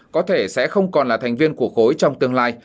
có thể sẽ không còn là thành viên của khối trong tương lai